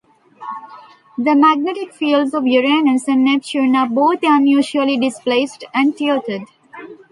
The magnetic fields of Uranus and Neptune are both unusually displaced and tilted.